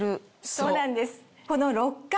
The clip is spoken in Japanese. そうなんです。